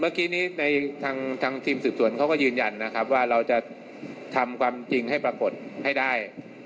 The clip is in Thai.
เมื่อกี้นี้ในทางทีมสืบสวนเขาก็ยืนยันนะครับว่าเราจะทำความจริงให้ปรากฏให้ได้